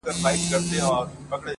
لا به تر څو د کربلا له تورو؛